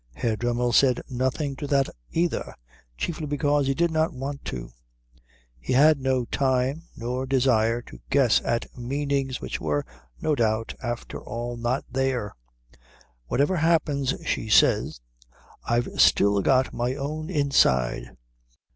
Herr Dremmel said nothing to that either, chiefly because he did not want to. He had no time nor desire to guess at meanings which were, no doubt, after all not there. "Whatever happens," she said, "I've still got my own inside."